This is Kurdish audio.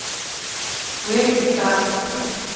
Wê bizdand.